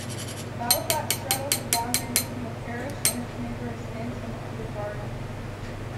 Battleflat straddles the boundary between the parish and its neighbour of Stanton under Bardon.